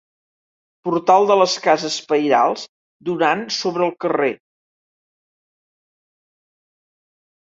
Portal de les cases pairals donant sobre el carrer.